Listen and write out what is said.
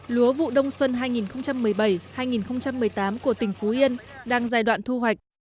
lúa vụ đông xuân hai nghìn một mươi bảy hai nghìn một mươi tám của tỉnh phú yên đang giai đoạn thu hoạch